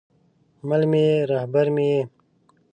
مل مې یې، رهبر مې یې